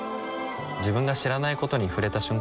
自分が知らないことに触れた瞬間